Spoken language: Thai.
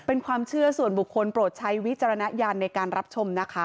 เป็นความเชื่อส่วนบุคคลโปรดใช้วิจารณญาณในการรับชมนะคะ